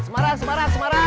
semarang semarang semarang